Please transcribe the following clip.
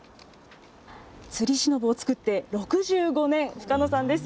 つりしのぶを作って６５年、深野さんです。